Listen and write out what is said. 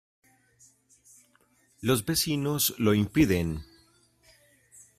Los vecinos lo impiden.